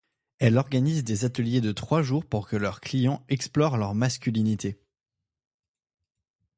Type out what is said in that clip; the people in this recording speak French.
Elle organise des ateliers de trois jours pour que leurs clients explorent leur masculinité.